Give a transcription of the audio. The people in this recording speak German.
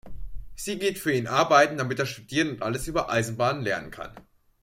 Sie geht für ihn arbeiten, damit er studieren und alles über Eisenbahnen lernen kann.